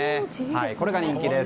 これが人気です。